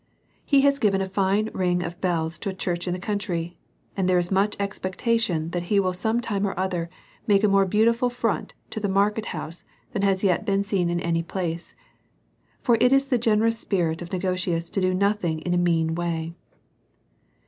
He has given a fine ring of bells to a church in the country, and there is much expectation that he will some time or other make a more beautiful front to the market house than has been seen in any place ; for it is the generous spirit of Negotius to do nothing in a mean way.